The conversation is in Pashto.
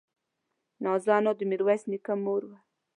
نازو انا د ميرويس نيکه مور وه.